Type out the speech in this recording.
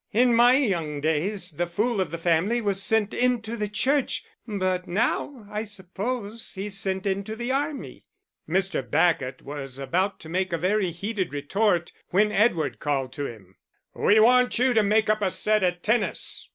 In my young days the fool of the family was sent into the Church, but now, I suppose, he's sent into the army." Mr. Bacot was about to make a very heated retort when Edward called to him "We want you to make up a set at tennis.